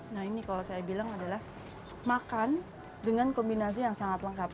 nah ini kalau saya bilang adalah makan dengan kombinasi yang sangat lengkap